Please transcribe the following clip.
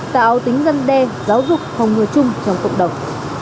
tạo tính dân đe giáo dục phòng ngừa chung trong cộng đồng